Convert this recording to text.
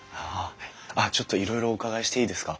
あっちょっといろいろお伺いしていいですか？